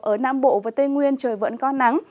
ở nam bộ và tây nguyên trời vẫn có nắng